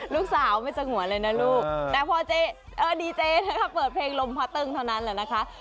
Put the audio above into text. ลูกสาวไม่สงวนเลยนะลูกแต่พอดีเจเปิดเพลงลมพ่อตึ้งเท่านั้นแหละนะคะ